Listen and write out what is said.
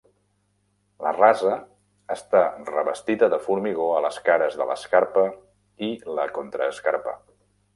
La rasa està revestida de formigó a les cares de l'escarpa i la contraescarpa.